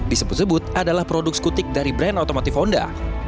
disebut sebut adalah produk skutik dari brand otomotif honda